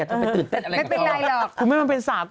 ต้องไปตื่นเต้นอะไรกันพอครับเหรอคุณแม่นมันเป็นสากล